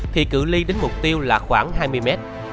thì cự ly đính mục tiêu là khoảng hai mươi m